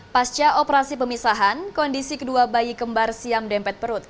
pasca operasi pemisahan kondisi kedua bayi kembar siam dempet perut